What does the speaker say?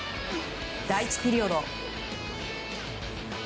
第１ピリオド。